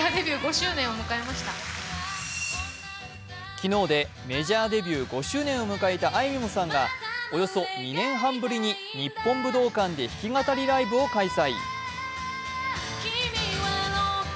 昨日でメジャーデビュー５周年を迎えたあいみょんさんがおよそ２年半ぶりに日本武道館で弾き語りライブを開催。